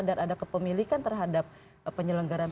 dan ada kepemilikan terhadap penyelenggaran